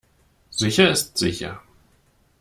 Sicher ist sicher.